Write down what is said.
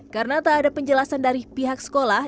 karena tak ada penjelasan dari pihak sekolah